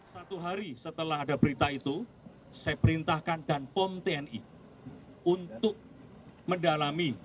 satu hari setelah ada berita itu saya perintahkan dan pom tni untuk mendalami